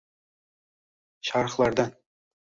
Sharhlardan: